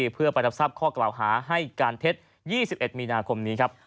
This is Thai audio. เพื่อไปรับทราบข้อกล่าวหาให้การเท็จ๒๑มีนาคมนี้ครับ